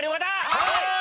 はい！